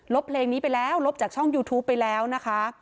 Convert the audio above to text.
บเพลงนี้ไปแล้วลบจากช่องยูทูปไปแล้วนะคะ